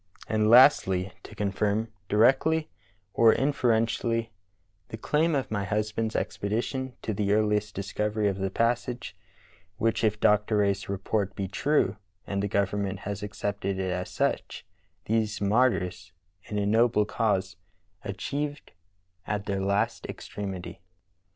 And lastl}^, to confirm, directly or in ferentially, the claim of my husband's expedition to the earliest discovery of the passage, which, if Dr. Rae's report be true (and the government has accepted it as such), these martj^rs in a noble cause achieved at their last extremity."